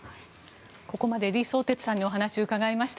ここまで李相哲さんにお話を伺いました。